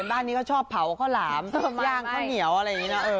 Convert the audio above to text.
บ้านนี้เขาชอบเผาข้าวหลามย่างข้าวเหนียวอะไรอย่างนี้นะ